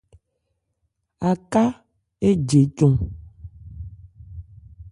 Aká éje cɔn.